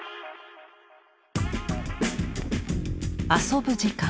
「遊ぶ時間」。